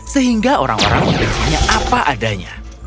sehingga orang orang memilikinya apa adanya